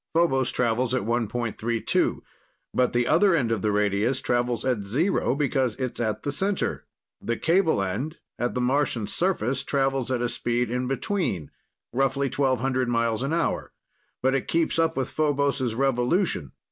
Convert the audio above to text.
Phobos travels at 1.32, but the other end of the radius travels at zero because it's at the center. The cable end, at the Martian surface, travels at a speed in between roughly 1,200 miles an hour but it keeps up with Phobos' revolution.